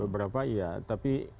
beberapa iya ya beberapa iya